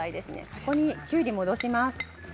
ここに、きゅうりを戻します。